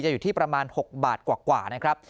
อยู่ที่ประมาณ๖บาทกว่านะครับ